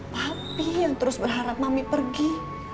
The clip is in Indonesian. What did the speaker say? tapi yang terus berharap mami pergi